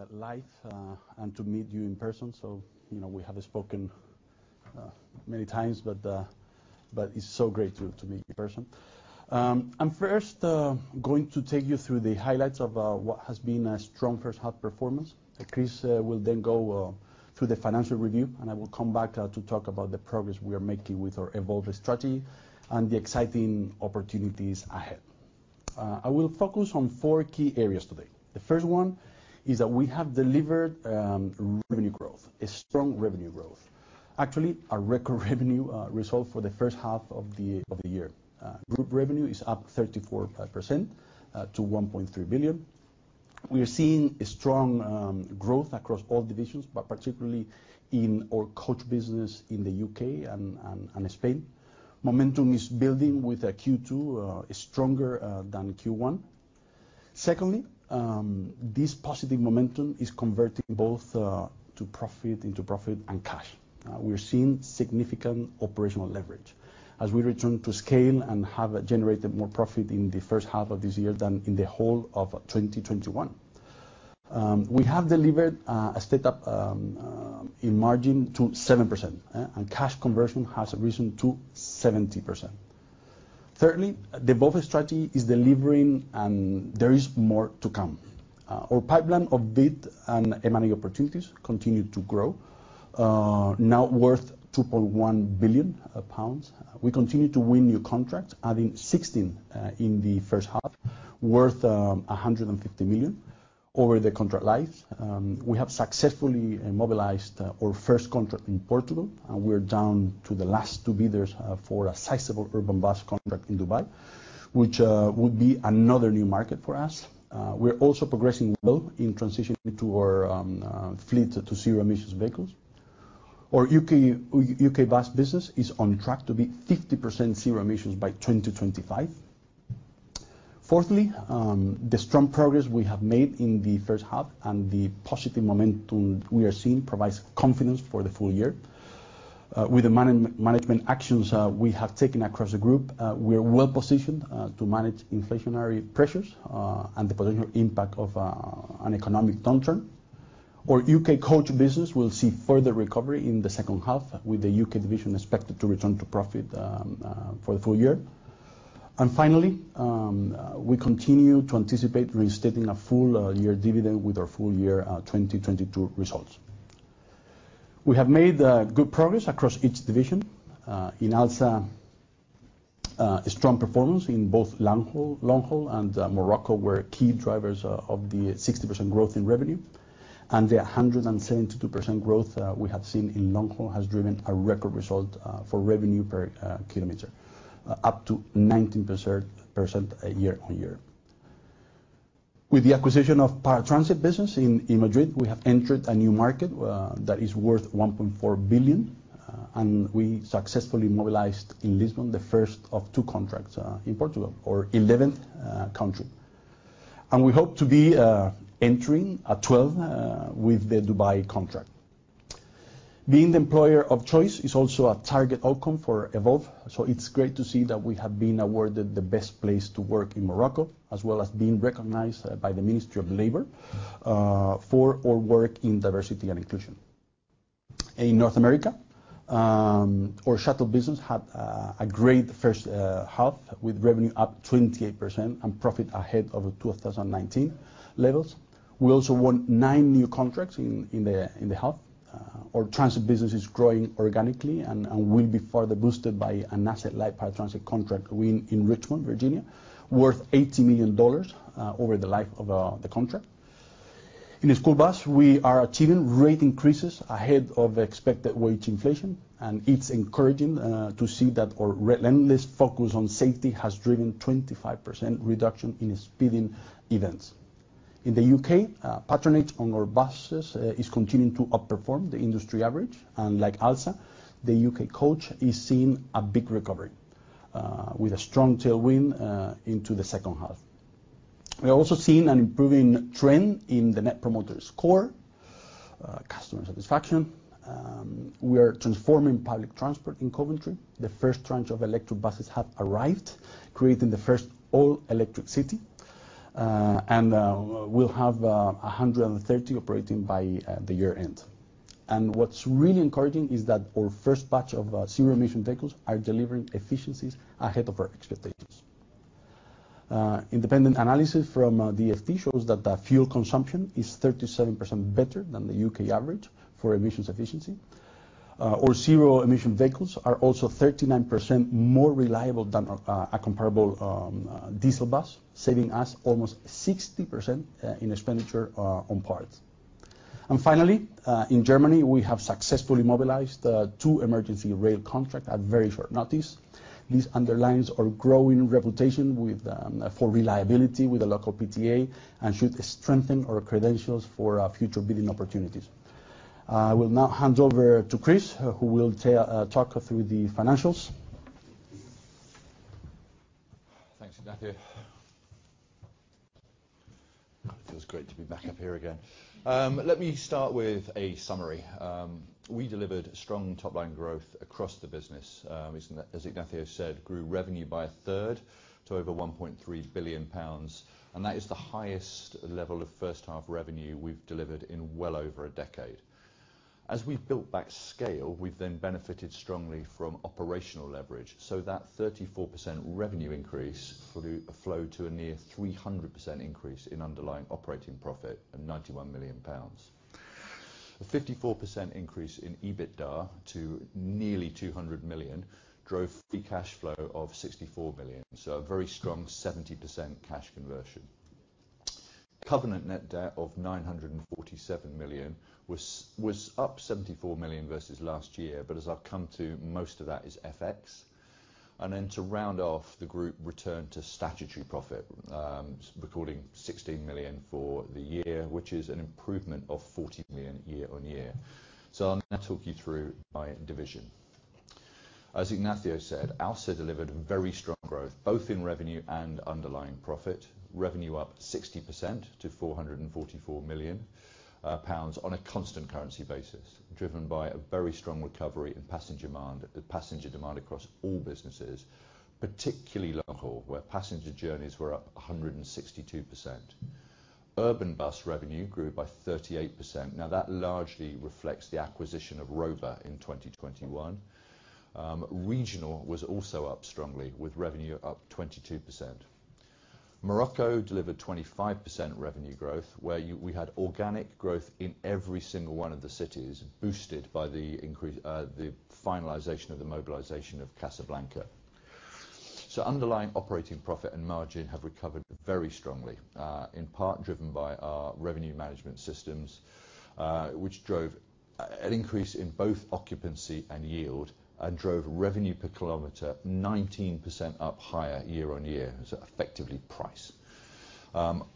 It's great to be doing this live and to meet you in person. You know, we have spoken many times, but it's so great to meet you in person. I'm first going to take you through the highlights of what has been a strong first half performance. Chris will then go through the financial review, and I will come back to talk about the progress we are making with our Evolve strategy and the exciting opportunities ahead. I will focus on four key areas today. The first one is that we have delivered revenue growth, a strong revenue growth. Actually, a record revenue result for the first half of the year. Group revenue is up 34% to 1.3 billion. We are seeing a strong growth across all divisions, but particularly in our coach business in the U.K. and Spain. Momentum is building, with Q2 stronger than Q1. Secondly, this positive momentum is converting both to profit and cash. We're seeing significant operational leverage as we return to scale and have generated more profit in the first half of this year than in the whole of 2021. We have delivered a step up in margin to 7%, and cash conversion has risen to 70%. Thirdly, the Evolve strategy is delivering, and there is more to come. Our pipeline of bid and M&A opportunities continue to grow, now worth 2.1 billion pounds. We continue to win new contracts, adding 16 in the first half, worth 150 million over the contract life. We have successfully mobilized our first contract in Portugal, and we're down to the last two bidders for a sizable urban bus contract in Dubai, which would be another new market for us. We're also progressing well in transitioning our fleet to zero-emission vehicles. Our U.K. bus business is on track to be 50% zero emissions by 2025. Fourthly, the strong progress we have made in the first half and the positive momentum we are seeing provides confidence for the full year. With the management actions we have taken across the group, we are well positioned to manage inflationary pressures and the potential impact of an economic downturn. Our UK Coach business will see further recovery in the second half, with the U.K. division expected to return to profit for the full year. Finally, we continue to anticipate reinstating a full-year dividend with our full-year 2022 results. We have made good progress across each division. In Alsa, a strong performance in both long haul and Morocco were key drivers of the 60% growth in revenue. The 172% growth we have seen in long haul has driven a record result for revenue per kilometer, up 19% year-on-year. With the acquisition of paratransit business in Madrid, we have entered a new market that is worth 1.4 billion, and we successfully mobilized in Lisbon, the first of two contracts in Portugal, our 11th country. We hope to be entering a 12th with the Dubai contract. Being the employer of choice is also a target outcome for Evolve, so it's great to see that we have been awarded the best place to work in Morocco, as well as being recognized by the Ministry of Labor for our work in diversity and inclusion. In North America, our shuttle business had a great first half, with revenue up 28% and profit ahead of 2019 levels. We also won nine new contracts in the hub. Our transit business is growing organically and will be further boosted by an asset-light paratransit contract win in Richmond, Virginia, worth $80 million over the life of the contract. In school bus, we are achieving rate increases ahead of expected wage inflation, and it's encouraging to see that our relentless focus on safety has driven 25% reduction in speeding events. In the U.K., patronage on our buses is continuing to outperform the industry average, and like Alsa, the UK Coach is seeing a big recovery with a strong tailwind into the second half. We are also seeing an improving trend in the Net Promoter Score, customer satisfaction. We are transforming public transport in Coventry. The first tranche of electric buses have arrived, creating the first all-electric city. We'll have 130 operating by year end. What's really encouraging is that our first batch of zero-emission vehicles are delivering efficiencies ahead of our expectations. Independent analysis from DfT shows that the fuel consumption is 37% better than the U.K. average for emissions efficiency. Our zero-emission vehicles are also 39% more reliable than a comparable diesel bus, saving us almost 60% in expenditure on parts. Finally, in Germany, we have successfully mobilized two emergency rail contracts at very short notice. This underlines our growing reputation for reliability with the local PTA and should strengthen our credentials for future bidding opportunities. I will now hand over to Chris, who will talk through the financials. Thanks, Ignacio. It's great to be back up here again. Let me start with a summary. We delivered strong top-line growth across the business. As Ignacio said, grew revenue by a third to over 1.3 billion pounds, and that is the highest level of first-half revenue we've delivered in well over a decade. As we've built back scale, we've then benefited strongly from operational leverage so that 34% revenue increase flowed to a near 300% increase in underlying operating profit of 91 million pounds. A 54% increase in EBITDA to nearly 200 million drove free cash flow of 64 million. A very strong 70% cash conversion. Covenant net debt of 947 million was up 74 million versus last year, but as I've come to, most of that is FX. To round off, the group returned to statutory profit, recording 16 million for the year, which is an improvement of 40 million year-on-year. I'll now talk you through by division. As Ignacio said, Alsa delivered very strong growth, both in revenue and underlying profit. Revenue up 60% to 444 million pounds on a constant currency basis, driven by a very strong recovery in passenger demand across all businesses, particularly long haul, where passenger journeys were up 162%. Urban bus revenue grew by 38%. That largely reflects the acquisition of Rober in 2021. Regional was also up strongly with revenue up 22%. Morocco delivered 25% revenue growth, where we had organic growth in every single one of the cities boosted by the increase, the finalization of the mobilization of Casablanca. Underlying operating profit and margin have recovered very strongly, in part driven by our revenue management systems, which drove an increase in both occupancy and yield and drove revenue per kilometer 19% up higher year-on-year, so effectively price.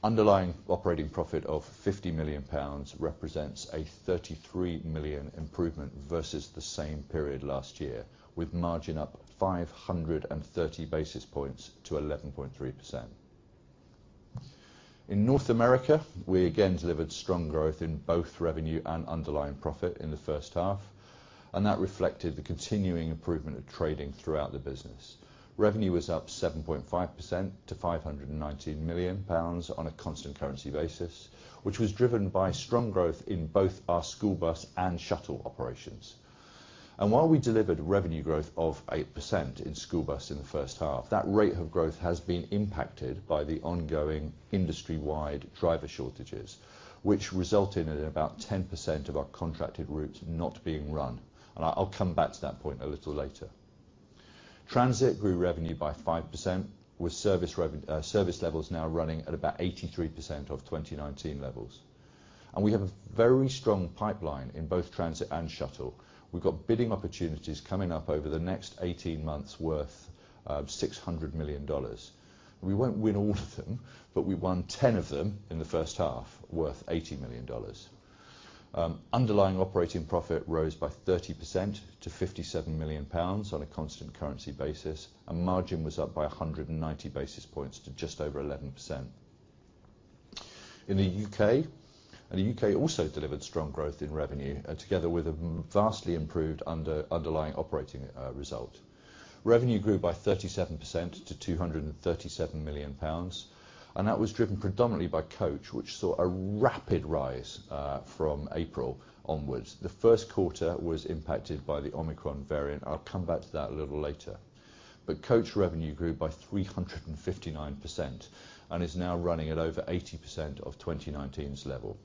Underlying operating profit of 50 million pounds represents a 33 million improvement versus the same period last year, with margin up 530 basis points to 11.3%. In North America, we again delivered strong growth in both revenue and underlying profit in the first half, and that reflected the continuing improvement of trading throughout the business. Revenue was up 7.5% to 519 million pounds on a constant currency basis, which was driven by strong growth in both our school bus and shuttle operations. While we delivered revenue growth of 8% in school bus in the first half, that rate of growth has been impacted by the ongoing industry-wide driver shortages, which resulted in about 10% of our contracted routes not being run. I’ll come back to that point a little later. Transit grew revenue by 5% with service levels now running at about 83% of 2019 levels. We have a very strong pipeline in both transit and shuttle. We’ve got bidding opportunities coming up over the next 18 months worth of $600 million. We won't win all of them, but we won 10 of them in the first half worth $80 million. Underlying operating profit rose by 30%-GBP 57 million on a constant currency basis, and margin was up by 190 basis points to just over 11%. In the U.K., and the U.K. also delivered strong growth in revenue, together with a vastly improved underlying operating result. Revenue grew by 37%-GBP 237 million, and that was driven predominantly by coach, which saw a rapid rise from April onwards. The first quarter was impacted by the Omicron variant. I'll come back to that a little later. Coach revenue grew by 359% and is now running at over 80% of 2019's level.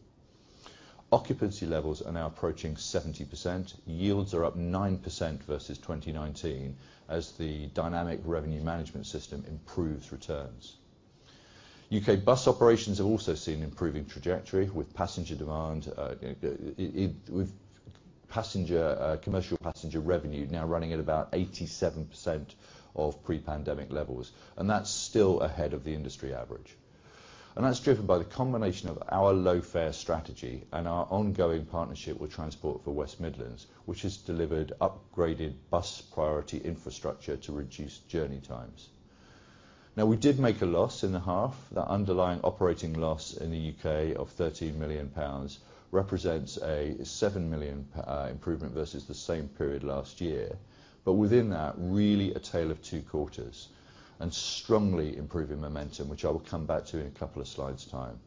Occupancy levels are now approaching 70%. Yields are up 9% versus 2019 as the dynamic revenue management system improves returns. UK bus operations have also seen improving trajectory with passenger demand, with passenger commercial passenger revenue now running at about 87% of pre-pandemic levels, and that's still ahead of the industry average. That's driven by the combination of our low fare strategy and our ongoing partnership with Transport for West Midlands, which has delivered upgraded bus priority infrastructure to reduce journey times. Now, we did make a loss in the half. The underlying operating loss in the U.K. of 13 million pounds represents a 7 million improvement versus the same period last year. Within that, really a tale of 2/4 and strongly improving momentum, which I will come back to in a couple of slides time.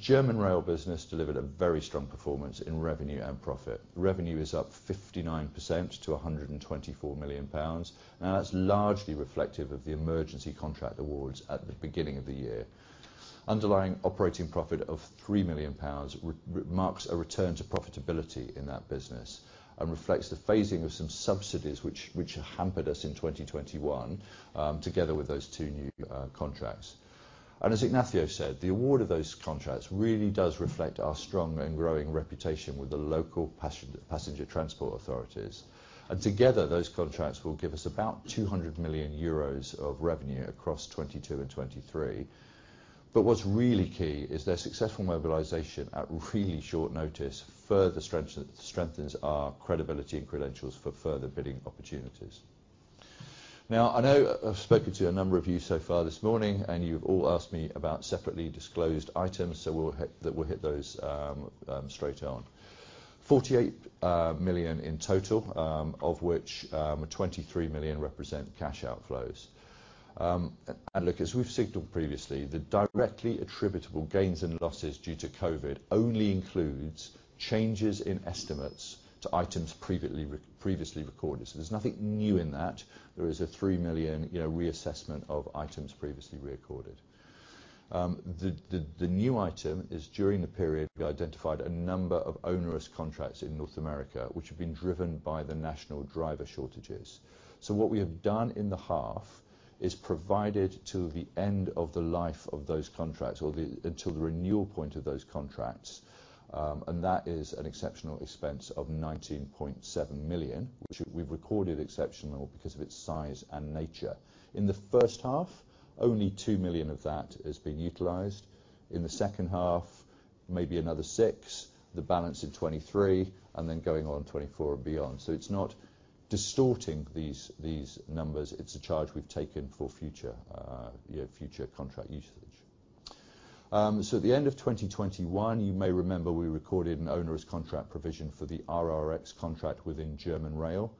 German rail business delivered a very strong performance in revenue and profit. Revenue is up 59% to 124 million pounds. Now, that's largely reflective of the emergency contract awards at the beginning of the year. Underlying operating profit of 3 million pounds marks a return to profitability in that business and reflects the phasing of some subsidies which hampered us in 2021, together with those two new contracts. As Ignacio said, the award of those contracts really does reflect our strong and growing reputation with the local passenger transport authorities. Together, those contracts will give us about 200 million euros of revenue across 2022 and 2023. What's really key is their successful mobilization at really short notice, further strengthens our credibility and credentials for further bidding opportunities. Now, I know I've spoken to a number of you so far this morning, and you've all asked me about separately disclosed items, so we'll hit those straight on. 48 million in total, of which 23 million represent cash outflows. And look, as we've signaled previously, the directly attributable gains and losses due to COVID only includes changes in estimates to items previously recorded. So there's nothing new in that. There is a 3 million, you know, reassessment of items previously recorded. The new item is during the period we identified a number of onerous contracts in North America, which have been driven by the national driver shortages. What we have done in the half is provided till the end of the life of those contracts until the renewal point of those contracts, and that is an exceptional expense of 19.7 million, which we've recorded exceptional because of its size and nature. In the first half, only 2 million of that has been utilized. In the second half, maybe another 6 million, the balance in 2023 and then going on 2024 and beyond. It's not distorting these numbers. It's a charge we've taken for future, you know, future contract usage. At the end of 2021, you may remember we recorded an onerous contract provision for the RRX contract within German rail.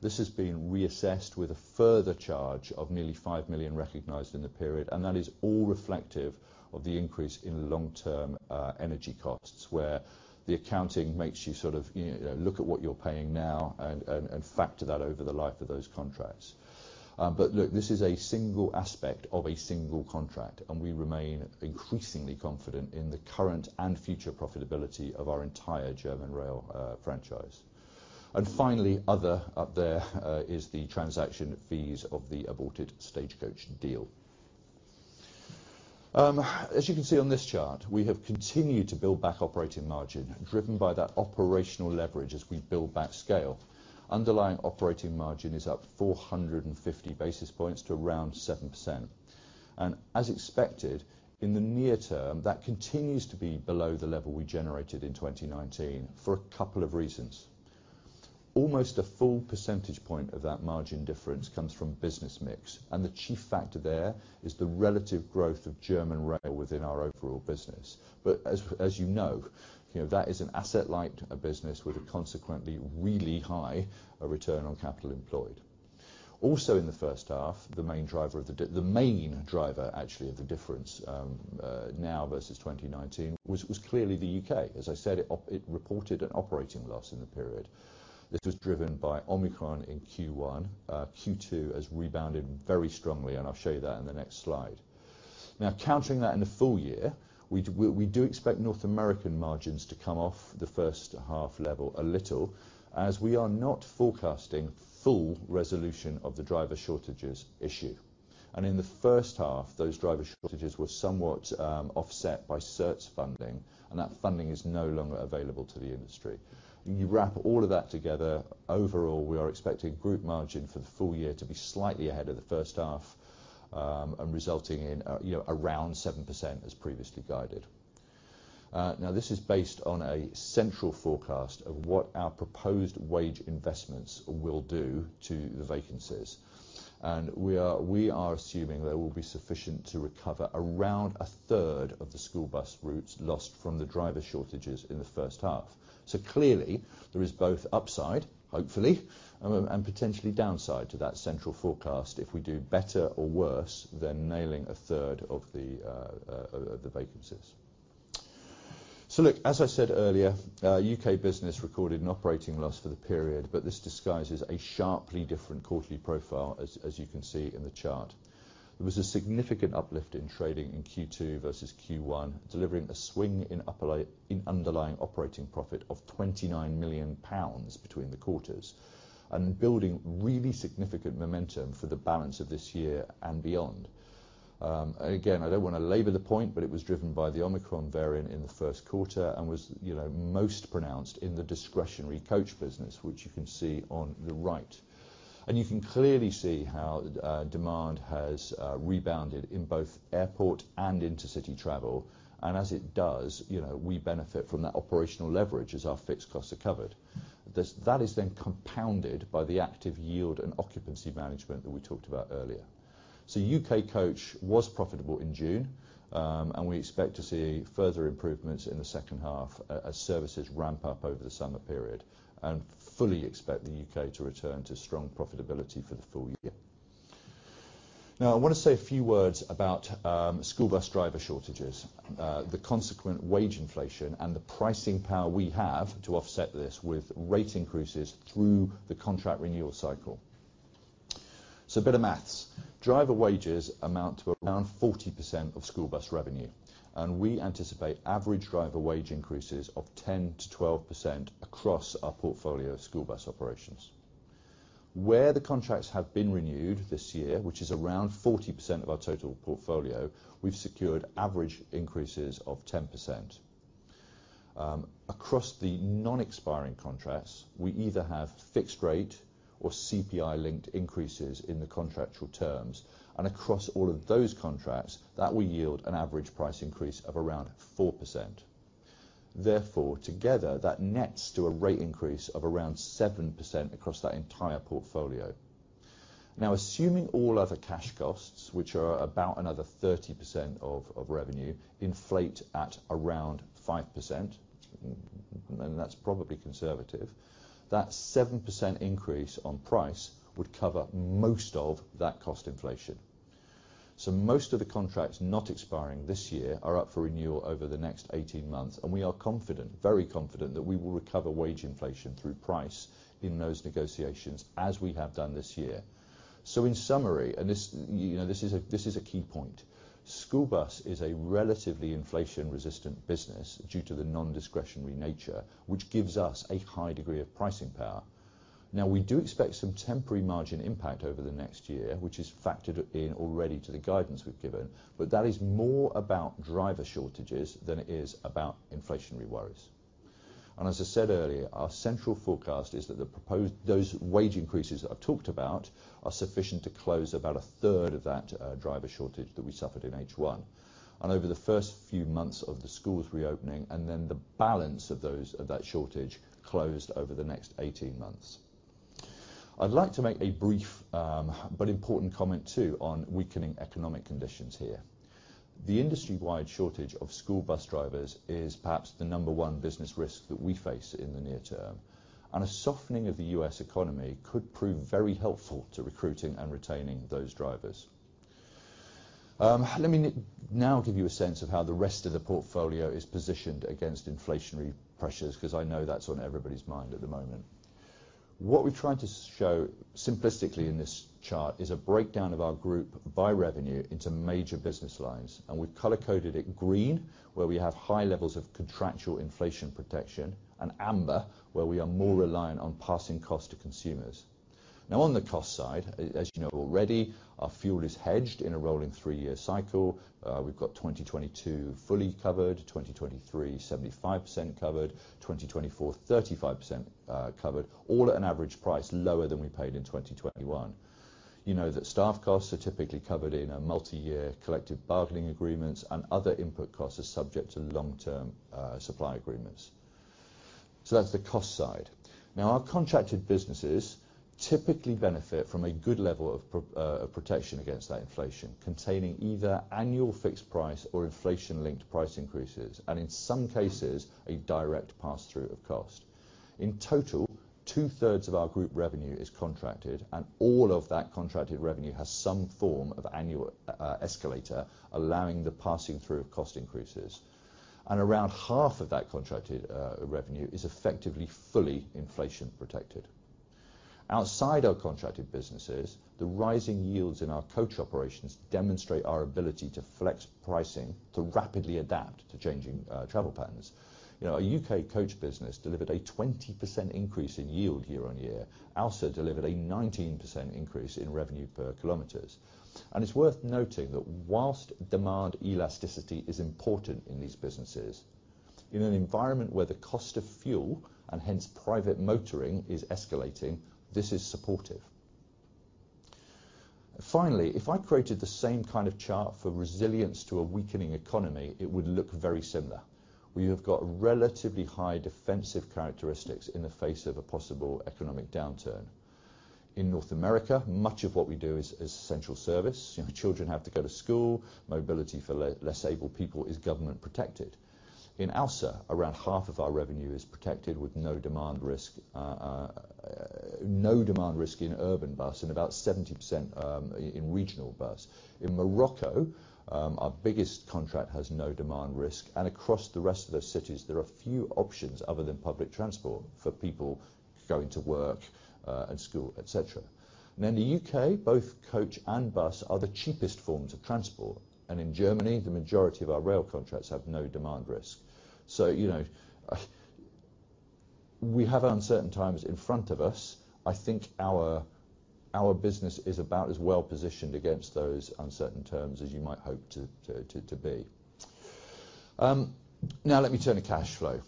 This has been reassessed with a further charge of nearly 5 million recognized in the period. That is all reflective of the increase in long-term energy costs, where the accounting makes you sort of, you know, look at what you're paying now and factor that over the life of those contracts. But look, this is a single aspect of a single contract, and we remain increasingly confident in the current and future profitability of our entire German rail franchise. Finally, other up there is the transaction fees of the aborted Stagecoach deal. As you can see on this chart, we have continued to build back operating margin driven by that operational leverage as we build back scale. Underlying operating margin is up 450 basis points to around 7%. As expected, in the near term, that continues to be below the level we generated in 2019 for a couple of reasons. Almost a full percentage point of that margin difference comes from business mix, and the chief factor there is the relative growth of German rail within our overall business. As you know, that is an asset light business with a consequently really high return on capital employed. Also in the first half, the main driver actually of the difference now versus 2019 was clearly the U.K. As I said, it reported an operating loss in the period that was driven by Omicron in Q1. Q2 has rebounded very strongly, and I'll show you that in the next slide. Now countering that in the full year, we do expect North American margins to come off the first half level a little as we are not forecasting full resolution of the driver shortages issue. In the first half, those driver shortages were somewhat offset by CERTS funding, and that funding is no longer available to the industry. You wrap all of that together, overall, we are expecting group margin for the full year to be slightly ahead of the first half, and resulting in, you know, around 7% as previously guided. Now this is based on a central forecast of what our proposed wage investments will do to the vacancies. We are assuming there will be sufficient to recover around a third of the school bus routes lost from the driver shortages in the first half. Clearly there is both upside, hopefully, and potentially downside to that central forecast if we do better or worse than nailing a third of the vacancies. Look, as I said earlier, U.K. business recorded an operating loss for the period, but this disguises a sharply different quarterly profile as you can see in the chart. There was a significant uplift in trading in Q2 versus Q1, delivering a swing in underlying operating profit of 29 million pounds between the quarters and building really significant momentum for the balance of this year and beyond. Again, I don't wanna labor the point, but it was driven by the Omicron variant in the first quarter and was, you know, most pronounced in the discretionary coach business, which you can see on the right. You can clearly see how demand has rebounded in both airport and intercity travel. As it does, you know, we benefit from that operational leverage as our fixed costs are covered. That is then compounded by the active yield and occupancy management that we talked about earlier. UK Coach was profitable in June, and we expect to see further improvements in the second half as services ramp up over the summer period and fully expect the U.K. to return to strong profitability for the full year. Now, I wanna say a few words about school bus driver shortages, the consequent wage inflation and the pricing power we have to offset this with rate increases through the contract renewal cycle. A bit of math. Driver wages amount to around 40% of school bus revenue, and we anticipate average driver wage increases of 10%-12% across our portfolio of school bus operations. Where the contracts have been renewed this year, which is around 40% of our total portfolio, we've secured average increases of 10%. Across the non-expiring contracts, we either have fixed rate or CPI-linked increases in the contractual terms. Across all of those contracts, that will yield an average price increase of around 4%. Therefore, together, that nets to a rate increase of around 7% across that entire portfolio. Now assuming all other cash costs, which are about another 30% of revenue, inflate at around 5%, and that's probably conservative, that 7% increase on price would cover most of that cost inflation. Most of the contracts not expiring this year are up for renewal over the next 18 months, and we are confident, very confident, that we will recover wage inflation through price in those negotiations as we have done this year. In summary, and this, you know, is a key point, school bus is a relatively inflation-resistant business due to the non-discretionary nature, which gives us a high degree of pricing power. Now we do expect some temporary margin impact over the next year, which is factored in already to the guidance we've given, but that is more about driver shortages than it is about inflationary worries. As I said earlier, our central forecast is that those wage increases that I've talked about are sufficient to close about a third of that driver shortage that we suffered in H1. Over the first few months of the schools reopening, and then the balance of that shortage closed over the next 18 months. I'd like to make a brief, but important comment too on weakening economic conditions here. The industry-wide shortage of school bus drivers is perhaps the number one business risk that we face in the near term, and a softening of the U.S. economy could prove very helpful to recruiting and retaining those drivers. Let me now give you a sense of how the rest of the portfolio is positioned against inflationary pressures, because I know that's on everybody's mind at the moment. What we've tried to show simplistically in this chart is a breakdown of our group by revenue into major business lines, and we've color-coded it green, where we have high levels of contractual inflation protection and amber, where we are more reliant on passing cost to consumers. Now on the cost side, as you know already, our fuel is hedged in a rolling three-year cycle. We've got 2022 fully covered, 2023 75% covered, 2024 35% covered, all at an average price lower than we paid in 2021. You know that staff costs are typically covered in multi-year collective bargaining agreements and other input costs are subject to long-term supply agreements. That's the cost side. Our contracted businesses typically benefit from a good level of protection against that inflation, containing either annual fixed price or inflation-linked price increases, and in some cases, a direct pass-through of cost. In total, two-thirds of our group revenue is contracted, and all of that contracted revenue has some form of annual escalator allowing the passing through of cost increases. Around half of that contracted revenue is effectively fully inflation protected. Outside our contracted businesses, the rising yields in our coach operations demonstrate our ability to flex pricing to rapidly adapt to changing travel patterns. You know, our U.K. coach business delivered a 20% increase in yield year-on-year. Alsa delivered a 19% increase in revenue per kilometer. It's worth noting that while demand elasticity is important in these businesses, in an environment where the cost of fuel, and hence private motoring is escalating, this is supportive. Finally, if I created the same kind of chart for resilience to a weakening economy, it would look very similar. We have got relatively high defensive characteristics in the face of a possible economic downturn. In North America, much of what we do is essential service. You know, children have to go to school. Mobility for less able people is government protected. In Alsa, around half of our revenue is protected with no demand risk. No demand risk in urban bus and about 70% in regional bus. In Morocco, our biggest contract has no demand risk, and across the rest of those cities, there are few options other than public transport for people going to work, and school, et cetera. Now in the U.K., both coach and bus are the cheapest forms of transport. In Germany, the majority of our rail contracts have no demand risk. You know, we have uncertain times in front of us. I think our business is about as well positioned against those uncertain terms as you might hope to be. Now let me turn to cash flow.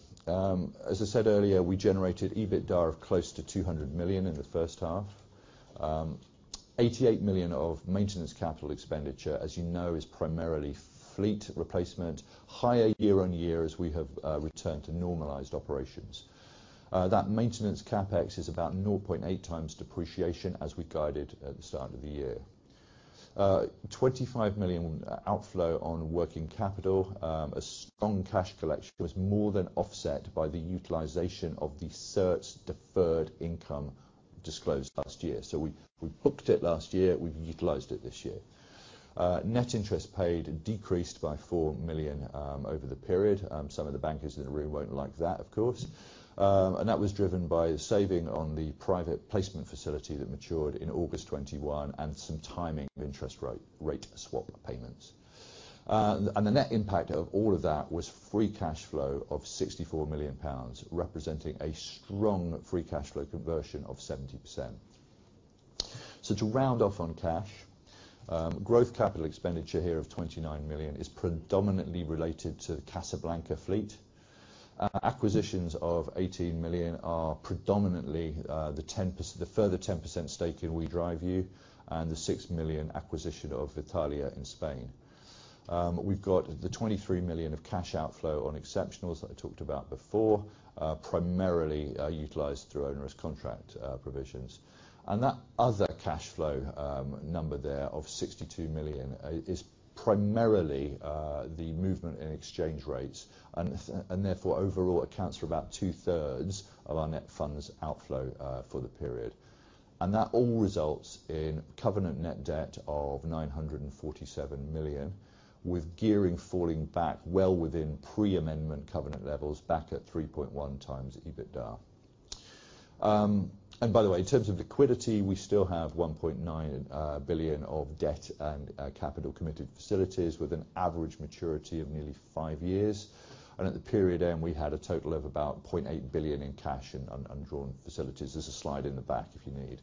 As I said earlier, we generated EBITDA of close to 200 million in the first half. 88 million of maintenance capital expenditure, as you know, is primarily fleet replacement, higher year-over-year as we have returned to normalized operations. That maintenance CapEx is about 0.8 times depreciation as we guided at the start of the year. 25 million outflow on working capital. A strong cash collection was more than offset by the utilization of the CERTS deferred income disclosed last year. We booked it last year. We've utilized it this year. Net interest paid decreased by 4 million over the period. Some of the bankers in the room won't like that, of course. That was driven by saving on the private placement facility that matured in August 2021 and some timing of interest rate swap payments. The net impact of all of that was Free Cash Flow of 64 million pounds, representing a strong Free Cash Flow conversion of 70%. To round off on cash, growth capital expenditure here of 29 million is predominantly related to the Casablanca fleet. Acquisitions of 18 million are predominantly the further 10% stake in WeDriveU and the 6 million acquisition of Vitalia in Spain. We've got the 23 million of cash outflow on exceptionals that I talked about before, primarily utilized through onerous contract provisions. That other cash flow number there of 62 million is primarily the movement in exchange rates and therefore overall accounts for about 2/3 of our net funds outflow for the period. That all results in covenant net debt of 947 million, with gearing falling back well within pre-amendment covenant levels back at 3.1 times EBITDA. By the way, in terms of liquidity, we still have 1.9 billion of debt and capital committed facilities with an average maturity of nearly five years. At the period end, we had a total of about 0.8 billion in cash and undrawn facilities. There's a slide in the back if you need.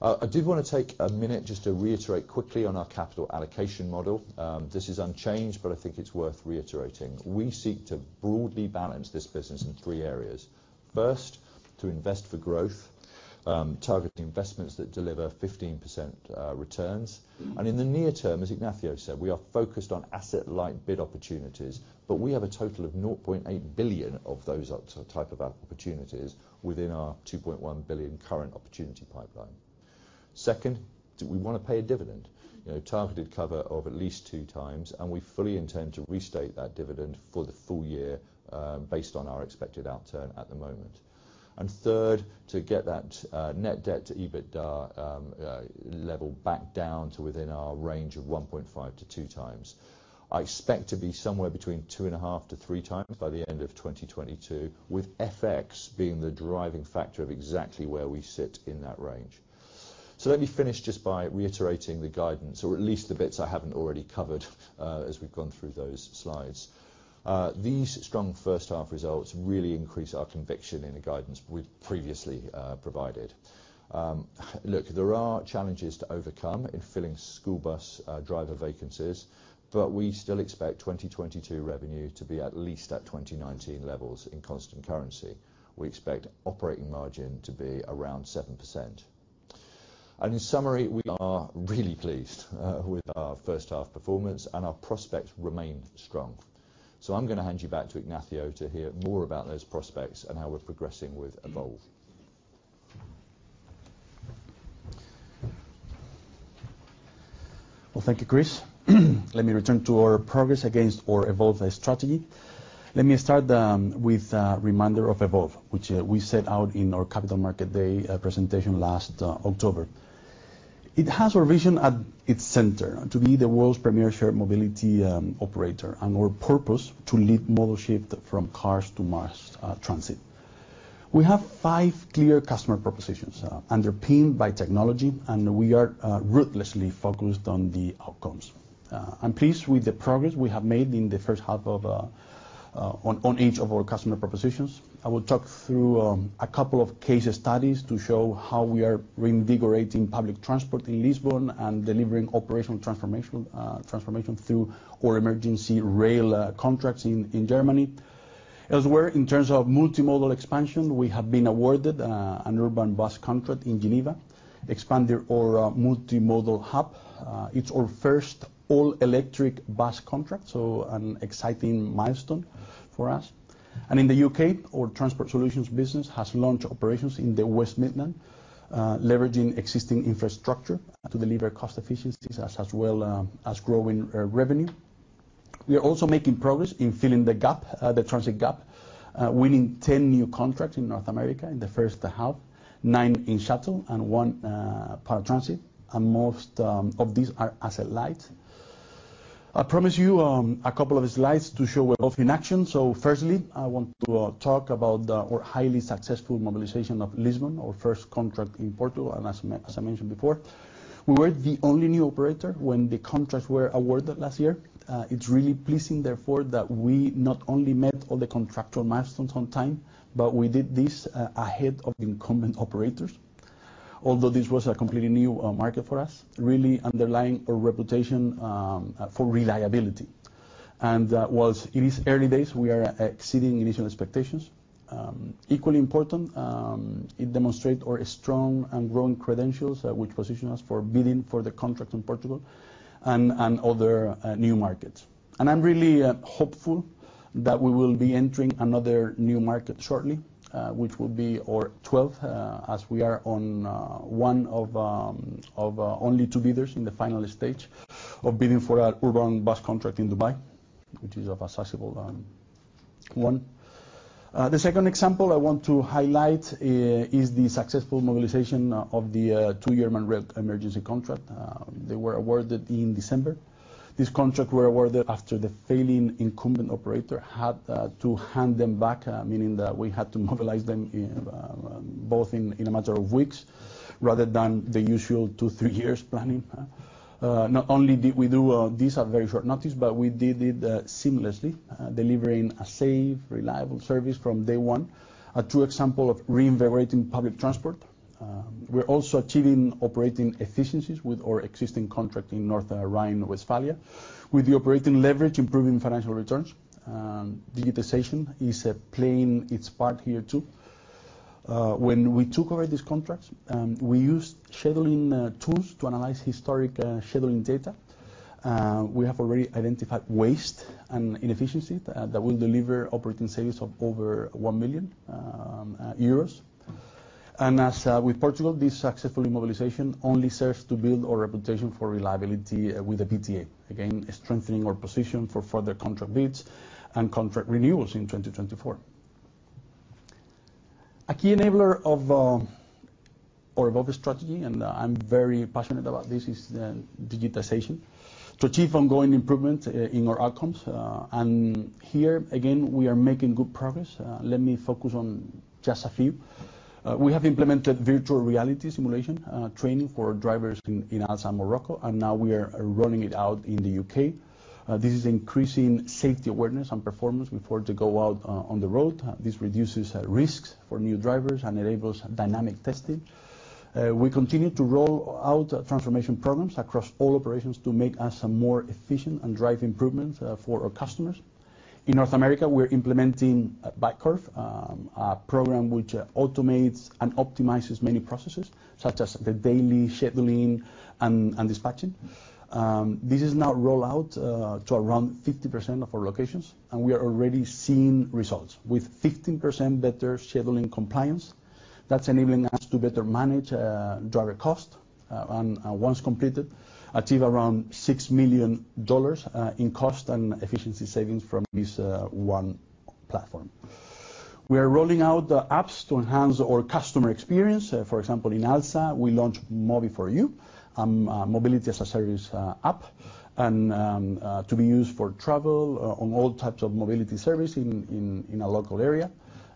I did wanna take a minute just to reiterate quickly on our capital allocation model. This is unchanged, but I think it's worth reiterating. We seek to broadly balance this business in three areas. First, to invest for growth, target investments that deliver 15% returns. In the near term, as Ignacio said, we are focused on asset-light bid opportunities, but we have a total of 0.8 billion of those type of opportunities within our 2.1 billion current opportunity pipeline. Second, do we wanna pay a dividend? You know, targeted cover of at least 2x, and we fully intend to restate that dividend for the full year, based on our expected outturn at the moment. Third, to get that net debt to EBITDA level back down to within our range of 1.5x-2x. I expect to be somewhere between 2.5x-3x by the end of 2022, with FX being the driving factor of exactly where we sit in that range. Let me finish just by reiterating the guidance, or at least the bits I haven't already covered, as we've gone through those slides. These strong first half results really increase our conviction in the guidance we've previously provided. Look, there are challenges to overcome in filling school bus driver vacancies, but we still expect 2022 revenue to be at least at 2019 levels in constant currency. We expect operating margin to be around 7%. In summary, we are really pleased with our first half performance and our prospects remain strong. I'm gonna hand you back to Ignacio to hear more about those prospects and how we're progressing with Evolve. Well, thank you, Chris. Let me return to our progress against our Evolve strategy. Let me start with a reminder of Evolve, which we set out in our Capital Markets Day presentation last October. It has our vision at its center to be the world's premier shared mobility operator and our purpose to lead modal shift from cars to mass transit. We have five clear customer propositions underpinned by technology, and we are ruthlessly focused on the outcomes. I'm pleased with the progress we have made in the first half on each of our customer propositions. I will talk through a couple of case studies to show how we are reinvigorating public transport in Lisbon and delivering operational transformation through our emergency rail contracts in Germany. Elsewhere, in terms of multimodal expansion, we have been awarded an urban bus contract in Geneva, expanded our multimodal hub. It's our first all-electric bus contract, so an exciting milestone for us. In the U.K., our transport solutions business has launched operations in the West Midlands, leveraging existing infrastructure to deliver cost efficiencies as well as growing revenue. We are also making progress in filling the gap, the transit gap, winning 10 new contracts in North America in the first half, 9 in shuttle and 1 paratransit, and most of these are asset light. I promise you a couple of slides to show Evolve in action. Firstly, I want to talk about our highly successful mobilization of Lisbon, our first contract in Portugal. As I mentioned before, we were the only new operator when the contracts were awarded last year. It's really pleasing, therefore, that we not only met all the contractual milestones on time, but we did this ahead of incumbent operators. Although this was a completely new market for us, really underlying our reputation for reliability. While it is early days, we are exceeding initial expectations. Equally important, it demonstrate our strong and growing credentials which position us for bidding for the contract in Portugal and other new markets. I'm really hopeful that we will be entering another new market shortly, which will be our 12th, as we are one of only two bidders in the final stage of bidding for an urban bus contract in Dubai, which is of a sizable one. The second example I want to highlight is the successful mobilization of the two-year German rail emergency contract. They were awarded in December. These contracts were awarded after the failing incumbent operator had to hand them back, meaning that we had to mobilize them both in a matter of weeks, rather than the usual two, three years planning. Not only did we do this on very short notice, but we did it seamlessly, delivering a safe, reliable service from day one. A true example of reinvigorating public transport. We're also achieving operating efficiencies with our existing contract in North Rhine-Westphalia with the operating leverage improving financial returns. Digitization is playing its part here too. When we took over these contracts, we used scheduling tools to analyze historic scheduling data. We have already identified waste and inefficiency that will deliver operating savings of over 1 million euros. As with Portugal, this successful mobilization only serves to build our reputation for reliability with the PTA. Again, strengthening our position for further contract bids and contract renewals in 2024. A key enabler of our above strategy, and I'm very passionate about this, is digitization to achieve ongoing improvement in our outcomes. Here again, we are making good progress. Let me focus on just a few. We have implemented virtual reality simulation training for drivers in Alsa and Morocco, and now we are rolling it out in the U.K. This is increasing safety awareness and performance before they go out on the road. This reduces risks for new drivers and enables dynamic testing. We continue to roll out transformation programs across all operations to make us a more efficient and drive improvements for our customers. In North America, we're implementing Bytecurve, a program which automates and optimizes many processes, such as the daily scheduling and dispatching. This is now rolled out to around 50% of our locations, and we are already seeing results with 15% better scheduling compliance. That's enabling us to better manage driver cost, and once completed, achieve around $6 million in cost and efficiency savings from this one platform. We are rolling out the apps to enhance our customer experience. For example, in Alsa, we launched Mobi4U, a Mobility-as-a-Service app, and to be used for travel on all types of mobility service in a local area.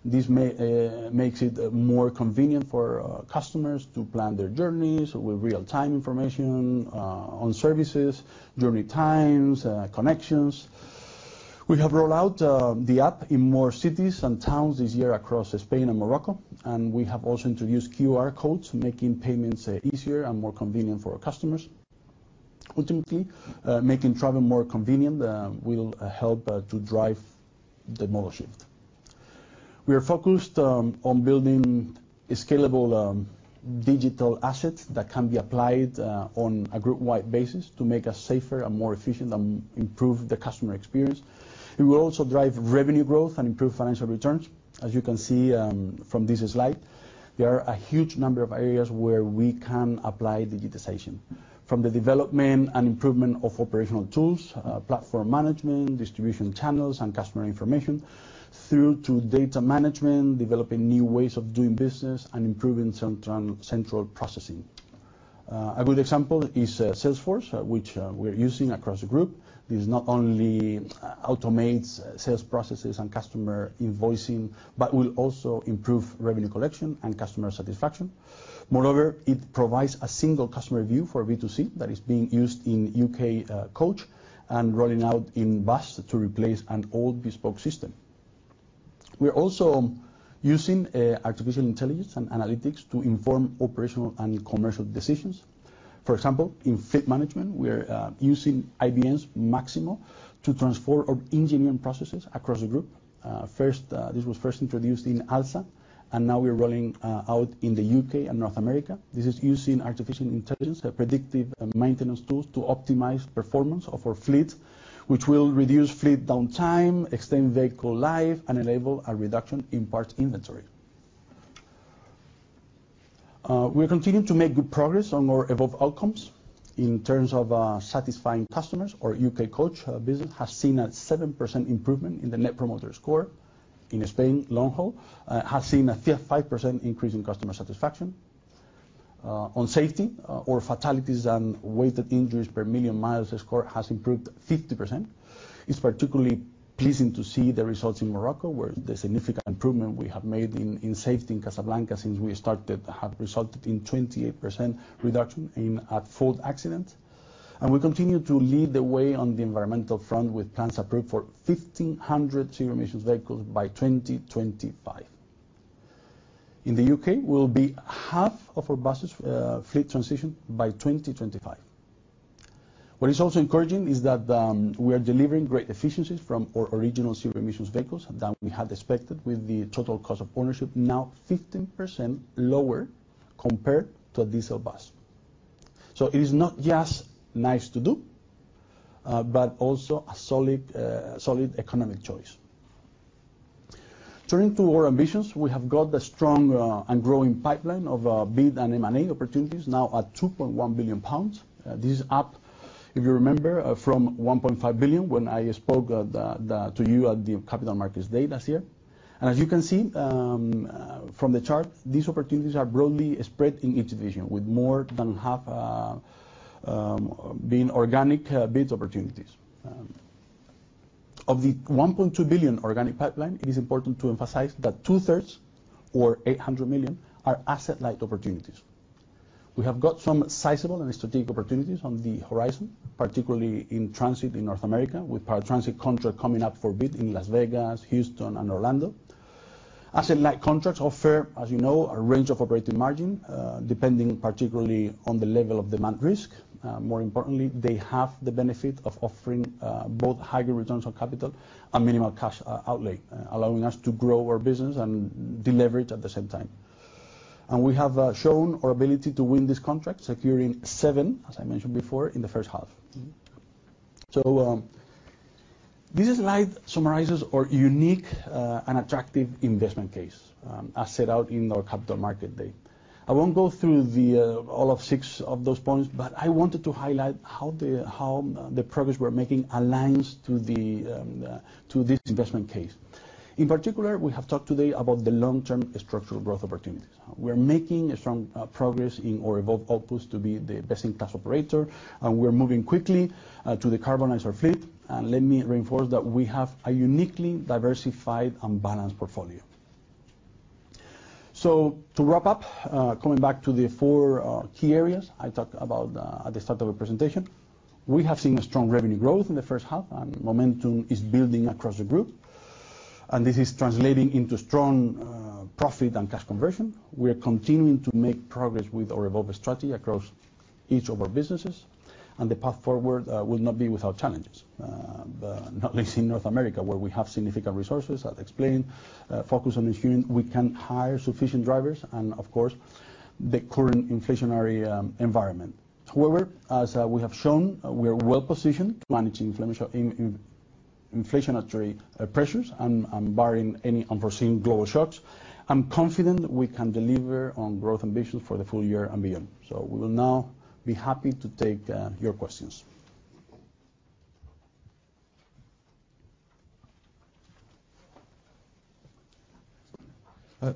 This makes it more convenient for customers to plan their journeys with real-time information on services, journey times, connections. We have rolled out the app in more cities and towns this year across Spain and Morocco, and we have also introduced QR codes, making payments easier and more convenient for our customers. Ultimately, making travel more convenient will help to drive the model shift. We are focused on building scalable digital assets that can be applied on a group-wide basis to make us safer and more efficient and improve the customer experience. It will also drive revenue growth and improve financial returns. As you can see from this slide, there are a huge number of areas where we can apply digitization, from the development and improvement of operational tools, platform management, distribution channels and customer information, through to data management, developing new ways of doing business and improving central processing. A good example is Salesforce, which we're using across the group. This not only automates sales processes and customer invoicing, but will also improve revenue collection and customer satisfaction. Moreover, it provides a single customer view for B2C that is being used in UK Coach and rolling out in Bus to replace an old bespoke system. We're also using artificial intelligence and analytics to inform operational and commercial decisions. For example, in fleet management, we're using IBM's Maximo to transform our engineering processes across the group. This was first introduced in Alsa, and now we're rolling out in the U.K. and North America. This is using artificial intelligence predictive maintenance tools to optimize performance of our fleet, which will reduce fleet downtime, extend vehicle life, and enable a reduction in parts inventory. We're continuing to make good progress on more Evolve outcomes. In terms of satisfying customers, our UK Coach business has seen a 7% improvement in the Net Promoter Score. In Spain Long Haul has seen a 5% increase in customer satisfaction. On safety, our fatalities and weighted injuries per million miles score has improved 50%. It's particularly pleasing to see the results in Morocco, where the significant improvement we have made in safety in Casablanca since we started have resulted in 28% reduction in at-fault accidents. We continue to lead the way on the environmental front with plans approved for 1,500 zero-emission vehicles by 2025. In the U.K., we'll have half of our bus fleet transitioned by 2025. What is also encouraging is that we are delivering great efficiencies from our original zero-emission vehicles than we had expected with the total cost of ownership now 15% lower compared to a diesel bus. It is not just nice to do, but also a solid economic choice. Turning to our ambitions, we have got a strong and growing pipeline of bid and M&A opportunities now at 2.1 billion pounds. This is up, if you remember, from 1.5 billion when I spoke to you at the Capital Markets Day last year. As you can see, from the chart, these opportunities are broadly spread in each division, with more than half being organic bid opportunities. Of the 1.2 billion organic pipeline, it is important to emphasize that 2/3 or 800 million are asset-light opportunities. We have got some sizable and strategic opportunities on the horizon, particularly in transit in North America, with paratransit contract coming up for bid in Las Vegas, Houston and Orlando. Asset-light contracts offer, as you know, a range of operating margin, depending particularly on the level of demand risk. More importantly, they have the benefit of offering both higher returns on capital and minimal cash outlay, allowing us to grow our business and deleverage at the same time. We have shown our ability to win this contract, securing 7, as I mentioned before, in the first half. Mm-hmm. This slide summarizes our unique and attractive investment case, as set out in our Capital Markets Day. I won't go through all six of those points, but I wanted to highlight how the progress we're making aligns to this investment case. In particular, we have talked today about the long-term structural growth opportunities. We're making strong progress in our Evolve off-lease to be the best-in-class operator, and we're moving quickly to the decarbonized fleet. Let me reinforce that we have a uniquely diversified and balanced portfolio. To wrap up, coming back to the four key areas I talked about at the start of the presentation. We have seen a strong revenue growth in the first half, and momentum is building across the group, and this is translating into strong profit and cash conversion. We are continuing to make progress with our Evolve strategy across each of our businesses, and the path forward will not be without challenges. Not least in North America, where we have significant resources, as explained, focus on ensuring we can hire sufficient drivers and, of course, the current inflationary environment. However, as we have shown, we are well positioned to manage inflationary pressures and barring any unforeseen global shocks. I'm confident we can deliver on growth ambitions for the full year and beyond. We will now be happy to take your questions.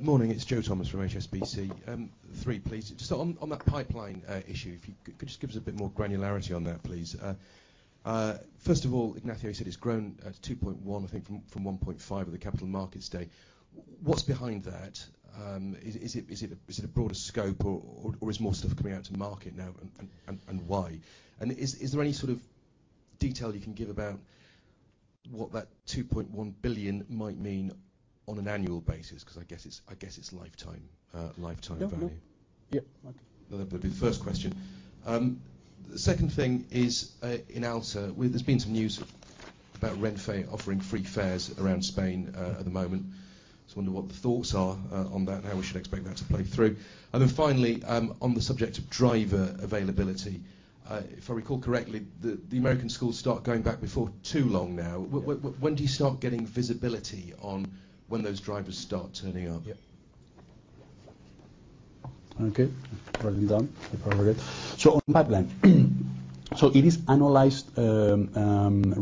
Morning, it's Joe Thomas from HSBC. Three please. Just on that pipeline issue, if you could just give us a bit more granularity on that, please. First of all, Ignacio said it's grown at 2.1, I think from 1.5 at the Capital Markets Day. What's behind that? Is it a broader scope or is more stuff coming out to market now and why? Is there any sort of detail you can give about what that 2.1 billion might mean on an annual basis? Because I guess it's lifetime value. Yeah. Okay. That'd be the first question. The second thing is, in Alsa, there's been some news about Renfe offering free fares around Spain, at the moment, just wonder what the thoughts are, on that and how we should expect that to play through. Then finally, on the subject of driver availability, if I recall correctly, the American schools start going back before too long now. Yeah. When do you start getting visibility on when those drivers start turning up? Yeah. Okay. Writing down before I forget. On pipeline, it is annualized